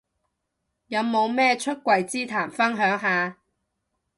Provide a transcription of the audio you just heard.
有冇咩出櫃之談分享下